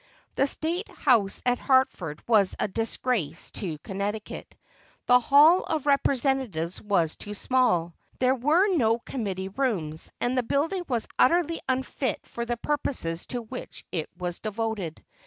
The State House at Hartford was a disgrace to Connecticut; the Hall of Representatives was too small; there were no committee rooms, and the building was utterly unfit for the purposes to which it was devoted.